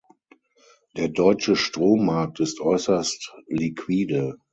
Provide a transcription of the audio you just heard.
Der deutsche Strommarkt ist äußerst liquide.